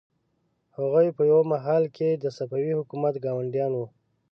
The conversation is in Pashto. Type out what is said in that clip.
هغوی په یوه مهال کې د صفوي حکومت ګاونډیان وو.